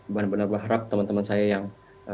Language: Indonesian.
benar benar berharap teman teman saya yang